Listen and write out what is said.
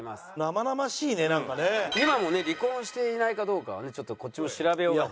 今もね離婚していないかどうかはねちょっとこっちも調べようが。